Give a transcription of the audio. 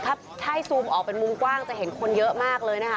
ถ้าให้ซูมออกเป็นมุมกว้างจะเห็นคนเยอะมากเลยนะคะ